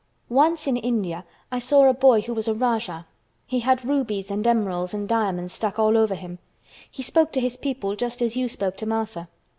"Once in India I saw a boy who was a Rajah. He had rubies and emeralds and diamonds stuck all over him. He spoke to his people just as you spoke to Martha.